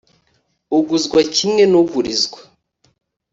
uguzwa kimwe n’ugurizwa,